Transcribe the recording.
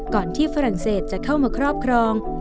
ก่อนที่ฝรั่งเศสจะเข้ามาครอบครอง